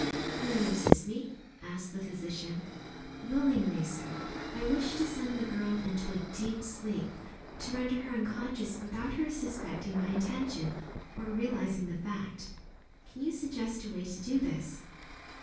"Will you assist me?" asked the physician. "Willingly, sir." "I wish to send the girl into a deep sleep, to render her unconscious without her suspecting my intention, or realizing the fact. Can you suggest a way to do this?"